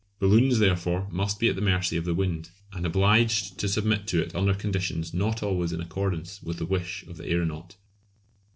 Balloons therefore must be at the mercy of the wind, and obliged to submit to it under conditions not always in accordance with the wish of the aeronaut.